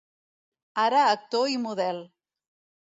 Ara actor i model.